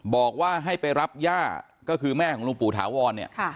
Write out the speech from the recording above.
บอกว่าให้ไปรับย่าก็คือแม่ของลุงปู่ถาวรเนี่ย